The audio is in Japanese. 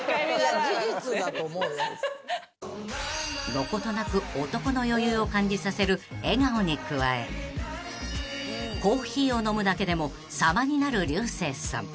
［どことなく男の余裕を感じさせる笑顔に加えコーヒーを飲むだけでも様になる竜星さん］